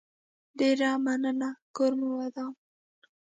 ډيره مننه کور مو ودان